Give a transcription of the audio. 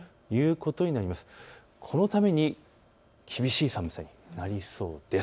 このため厳しい寒さになりそうです。